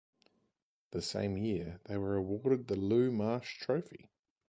The same year they were awarded the Lou Marsh Trophy.